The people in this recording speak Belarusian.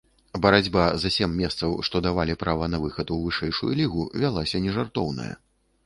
Барацьба за сем месцаў, што давалі права на выхад у вышэйшую лігу, вялася нежартоўная.